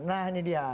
nah ini dia